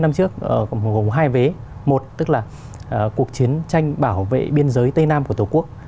năm trước gồm hai vế một tức là cuộc chiến tranh bảo vệ biên giới tây nam của tổ quốc